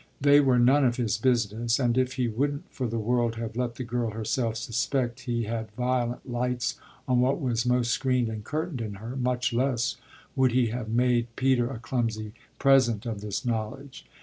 They were none of his business, and if he wouldn't for the world have let the girl herself suspect he had violent lights on what was most screened and curtained in her, much less would he have made Peter a clumsy present of this knowledge.